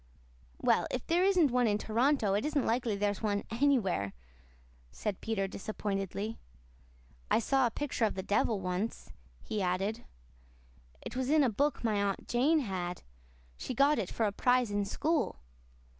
"Well, if there isn't one in Toronto it isn't likely there's one anywhere," said Peter disappointedly. "I saw a picture of the devil once," he added. "It was in a book my Aunt Jane had. She got it for a prize in school.